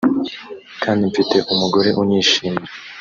kandi mfite umugore unyishimira